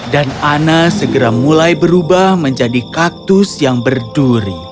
dan anna segera mulai berubah menjadi kaktus yang berduri